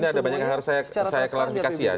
ini ada banyak yang harus saya klarifikasi ya